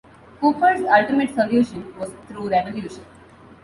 Cooper's ultimate solution was through revolution.